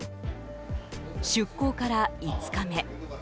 出航から５日目。